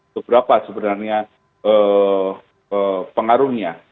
seberapa sebenarnya pengaruhnya